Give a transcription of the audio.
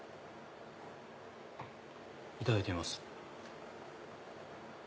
いただいてみます。